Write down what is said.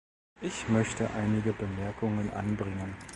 Ich möchte einige Bemerkungen anbringen.